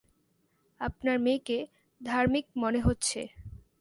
আপনার মেয়েকে ধার্মিক মনে হচ্ছে।